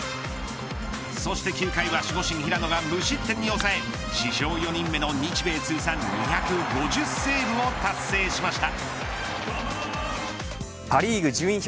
そして９回は守護神、平野が無失点に抑え史上４人目の日米通算２５０セーブを達成しました。